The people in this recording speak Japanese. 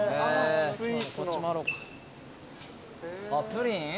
プリン？